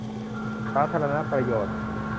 สาธารณประโยชน์